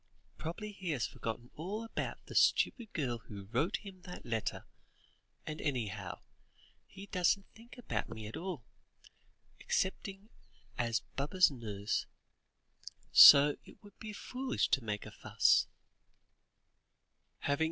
Probably he has forgotten all about the stupid girl who wrote him that letter, and anyhow, he doesn't think about me at all, excepting as Baba's nurse, so it would be foolish to make a fuss."